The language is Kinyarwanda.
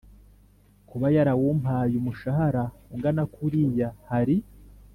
kuba yarawumpaye umushahara ungana kuriya hari